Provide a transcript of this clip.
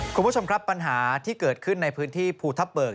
คุณผู้ชมครับปัญหาที่เกิดขึ้นในพื้นที่ภูทับเบิก